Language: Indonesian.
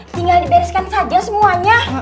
tinggal dibereskan saja semuanya